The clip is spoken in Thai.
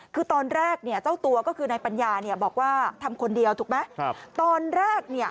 คือตอนแรกเจ้าตัวก็คือในปัญญาบอกว่าทำคนเดียวถูกไหม